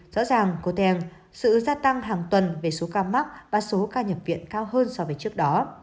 rõ ràng cô teng sự gia tăng hàng tuần về số cao mắc và số cao nhập viện cao hơn so với trước đó